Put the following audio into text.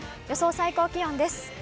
予想最高気温です。